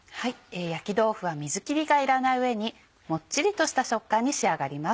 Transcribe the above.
焼き豆腐は水切りがいらない上にもっちりとした食感に仕上がります。